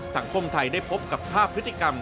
สังคมไทยได้พบกับภาพพฤติกรรม